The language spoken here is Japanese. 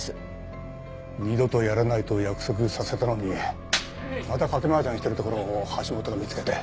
二度とやらないと約束させたのにまた賭け麻雀してるところを橋本が見つけて。